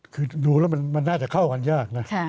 คือดูแล้วมันน่าจะเข้ากันยากนะ